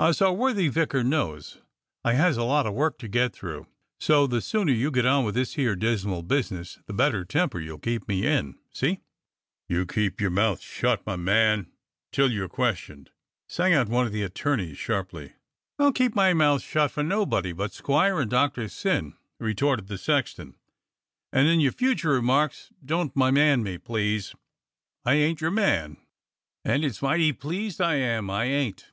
As our worthy vicar knows, I has a lot of work to get through; so the sooner you get on with this here dismal business the better temper you'll keep me in, see?" THE END OF THE INQUIRY 93 "You keep your mouth shut, my man, till you're questioned," sang out one of the attorneys sharply. "I'll keep my mouth shut for nobody but squire and Doctor Syn," retorted the sexton, "and in your future remarks don't *my man' me, please. I ain't your man, and it's mighty pleased I am I ain't."